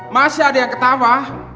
masih ada yang ketawa